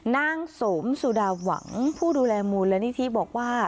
นางสมสุดาหวังผู้ดูแลมูลนิธิบอกว่า